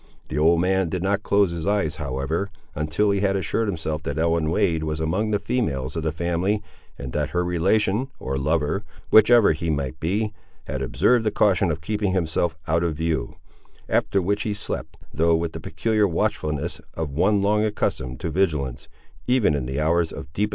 The old man did not close his eyes, however, until he had assured himself that Ellen Wade was among the females of the family, and that her relation, or lover, whichever he might be, had observed the caution of keeping himself out of view: after which he slept, though with the peculiar watchfulness of one long accustomed to vigilance, even in the hours of deepest night.